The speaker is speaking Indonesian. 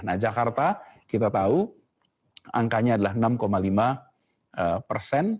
nah jakarta kita tahu angkanya adalah enam lima persen